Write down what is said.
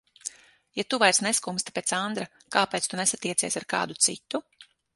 Ja tu vairs neskumsti pēc Andra, kāpēc tu nesatiecies ar kādu citu?